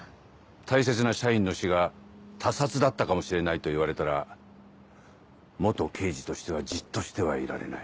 大切な社員の死が他殺だったかもしれないと言われたら刑事としてはじっとしてはいられない。